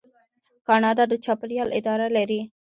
کاناډا د چاپیریال اداره لري.